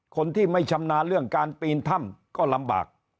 คนที่ไม่ชำนาญเรื่องการปีนถ้ำก็ลำบาก